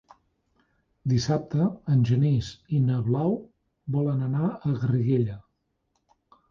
Dissabte en Genís i na Blau volen anar a Garriguella.